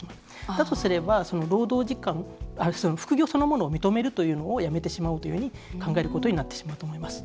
だとすれば、労働時間副業そのものを認めるというのをやめてしまおうというふうに考えることになってしまうと思います。